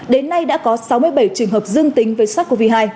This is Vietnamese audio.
đến nay đã có sáu mươi bảy trường hợp dương tính với sars cov hai